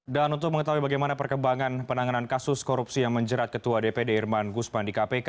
dan untuk mengetahui bagaimana perkembangan penanganan kasus korupsi yang menjerat ketua dpd irman gusman di kpk